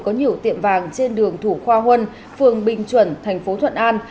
có nhiều tiệm vàng trên đường thủ khoa huân phường bình chuẩn tp thuận an